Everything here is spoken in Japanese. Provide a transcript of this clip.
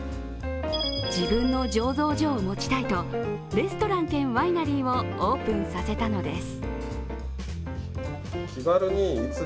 自分の醸造所を持ちたいとレストラン兼ワイナリーをオープンさせたのです。